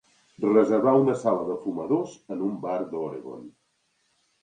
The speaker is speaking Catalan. reservar una sala de fumadors en un bar d'Oregon